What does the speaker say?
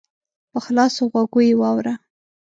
په خلاصو غوږو یې واوره !